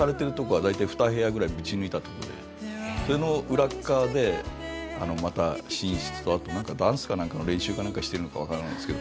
それの裏側でまた寝室とあとダンスかなんかの練習かしてるのかわからないですけど。